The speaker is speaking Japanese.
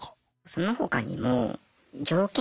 その他にも条件